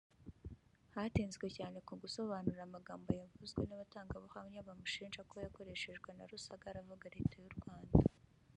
Hatinzwe cyane ku gusobanura amagambo yavuzwe n’abatangabuhamya bamushinja ko yakoreshejwe na Rusagara avuga Leta y’u Rwanda